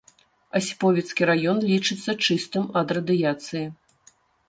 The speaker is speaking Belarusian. Асіповіцкі раён лічыцца чыстым ад радыяцыі.